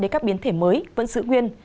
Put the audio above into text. đến các biến thể mới vẫn giữ nguyên